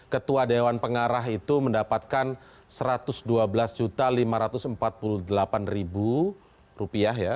ketua dewan pengarah itu mendapatkan rp satu ratus dua belas lima ratus empat puluh delapan rupiah ya